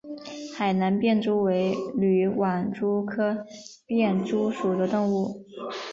海南便蛛为缕网蛛科便蛛属的动物。